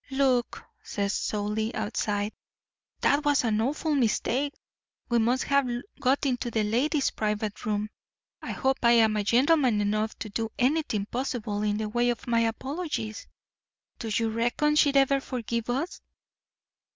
"'Luke,' says Solly, outside, 'that was an awful mistake. We must have got into the lady's private room. I hope I'm gentleman enough to do anything possible in the way of apologies. Do you reckon she'd ever forgive us?